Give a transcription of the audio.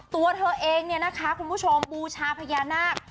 ตัวเธอเองเนี่ยนะคะคุณผู้ชมบูชาพญานาค